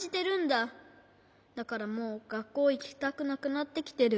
だからもうがっこういきたくなくなってきてる。